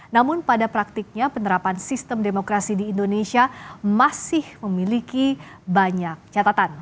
namun pada praktiknya penerapan sistem demokrasi di indonesia masih memiliki banyak catatan